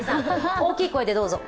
大きい声でどうぞ。